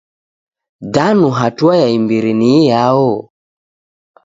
Danu hatua ya imbiri ni iyao?